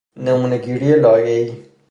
نمونه گیری لایه ای